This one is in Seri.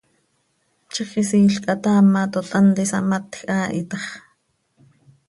Zixquisiil quih hataamatot, hant isamatj haa hi tax.